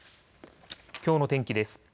きょうの天気です。